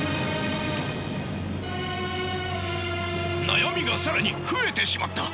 悩みが更に増えてしまった！